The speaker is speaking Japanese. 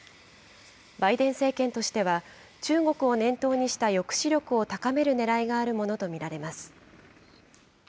バイデン政権としては、中国を念頭にした抑止力を高めるねらいがあるものと見られます。